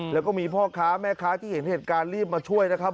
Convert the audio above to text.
แล้วก็มีพ่อค้าแม่ค้าที่เห็นเหตุการณ์รีบมาช่วยนะครับ